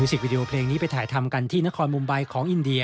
สิกวิดีโอเพลงนี้ไปถ่ายทำกันที่นครมุมไบของอินเดีย